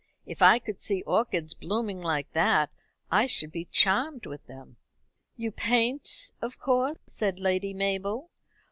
If I could see orchids blooming like that I should be charmed with them." "You paint of course," said Lady Mabel.